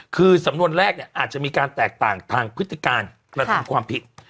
คือสำนวนแรกเนี่ยอาจจะมีการแตกต่างทางพฤติการกระทำความผิด